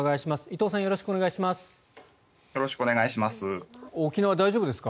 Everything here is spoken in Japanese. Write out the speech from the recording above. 伊藤さんよろしくお願いします。